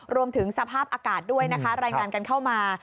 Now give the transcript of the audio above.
รวมถึงสภาพอากาศด้วยนะคะรายงานกันเข้ามา